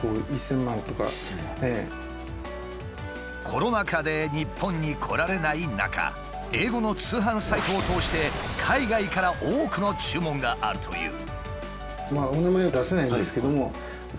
コロナ禍で日本に来られない中英語の通販サイトを通して海外から多くの注文があるという。